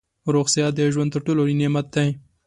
روغ صحت د ژوند تر ټولو لوی نعمت دی